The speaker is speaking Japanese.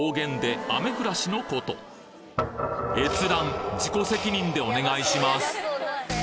閲覧自己責任でお願いします！